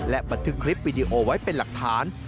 และบันทึกคลิปวิดีโอไว้เป็นหลักฐาน